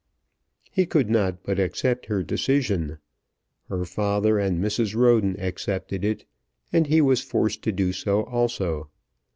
He could not but accept her decision. Her father and Mrs. Roden accepted it, and he was forced to do so also.